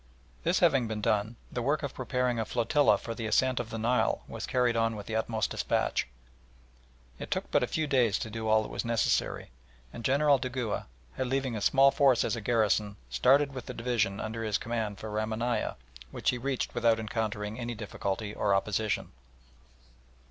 This having been done the work of preparing a flotilla for the ascent of the Nile was carried on with the utmost despatch. It took but a few days to do all that was necessary, and General Dugua, leaving a small force as a garrison, started with the division under his command for Ramanieh, which he reached without encountering any difficulty or opposition.